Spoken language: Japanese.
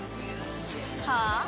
はあ？